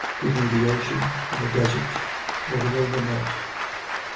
Give me the ocean, the desert, or the wilderness!